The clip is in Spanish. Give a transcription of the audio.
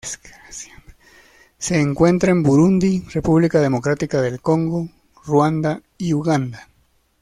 Se encuentra en Burundi, República Democrática del Congo, Ruanda, y Uganda.